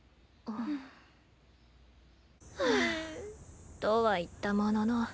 うぅ。とは言ったものの。